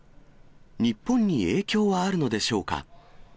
日本に影響はあるのでしょうか。